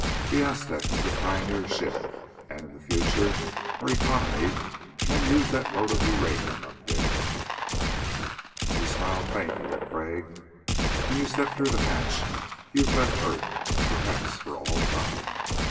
The Aztec is the pioneer ship. And in the future our economy can use that load of uranium up there." He smiled faintly at Crag. "When you step through the hatch you've left earth, perhaps for all time.